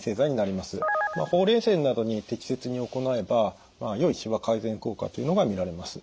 ほうれい線などに適切に行えばよいしわ改善効果というのが見られます。